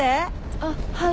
あっはい。